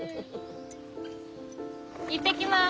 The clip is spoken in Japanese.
行ってきます。